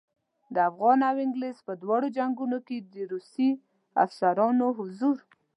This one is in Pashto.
د افغان او انګلیس په دواړو جنګونو کې د روسي افسرانو حضور.